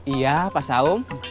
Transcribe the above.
iya pak saum